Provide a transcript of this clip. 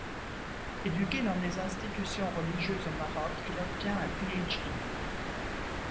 Éduqué dans des institutions religieuses au Maroc, il obtient un Ph.D.